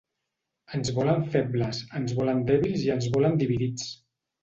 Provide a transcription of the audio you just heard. Ens volen febles, ens volen dèbils i ens volen dividits.